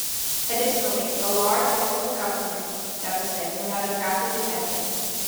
Additionally, a large, visible government deficit would have attracted attention.